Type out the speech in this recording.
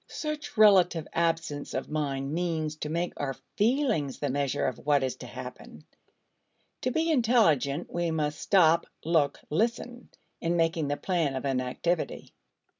Such relative absence of mind means to make our feelings the measure of what is to happen. To be intelligent we must "stop, look, listen" in making the plan of an activity.